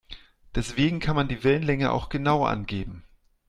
Deswegen kann man die Wellenlänge auch genau angeben.